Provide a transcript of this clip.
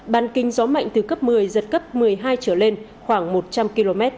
bàn kinh gió mạnh từ cấp một mươi giật cấp một mươi hai trở lên khoảng một trăm linh km